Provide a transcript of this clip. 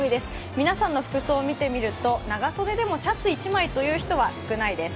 皆さんの服装を見てみると長袖でもシャツ１枚という人は少ないです。